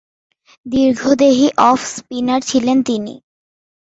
দীর্ঘদেহী off spinner ছিলেন তিনি।